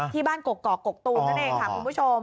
ที่บ้านกกอกตูนนั่นเองค่ะคุณผู้ชม